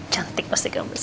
cantik pasti kamu bersama